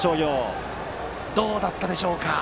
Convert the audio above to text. どうだったでしょうか。